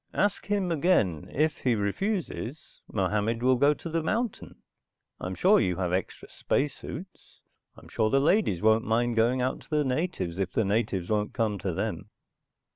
"Ask him again. If he refuses, Mohammed will go to the mountain. I'm sure you have extra space suits. I'm sure the ladies won't mind going out to the natives if the natives won't come to them."